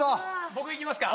僕いきますか？